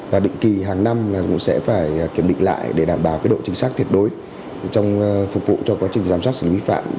và định kỳ hàng năm cũng sẽ phải kiểm định lại để đảm bảo độ chính xác tuyệt đối trong phục vụ cho quá trình giám sát xử lý vi phạm